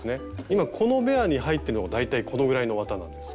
今このベアに入ってるのが大体このぐらいの綿なんです。